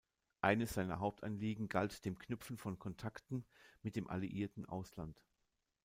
Eines seiner Hauptanliegen galt dem Knüpfen von Kontakten mit dem alliierten Ausland.